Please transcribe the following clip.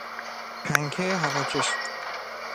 پنکه هواکش